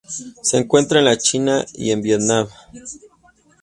Se encuentra en la China y en Vietnam.